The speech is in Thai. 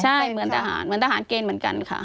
ใช่เหมือนทหารเหมือนทหารเกณฑ์เหมือนกันค่ะ